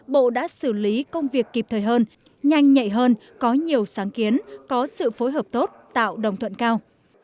bộ đã xử lý công việc kịp thời hơn nhanh nhạy hơn có nhiều sáng kiến có sự phối hợp tốt tạo đồng thuận cao